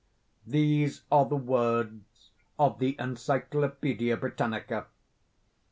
—These are the words of the Encyclopædia Britannica.